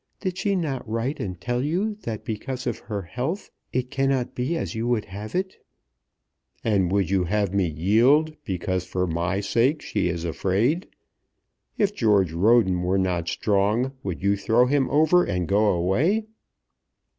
Did she not write and tell you that because of her health it cannot be as you would have it." "And would you have me yield, because for my sake she is afraid? If George Roden were not strong would you throw him over and go away?"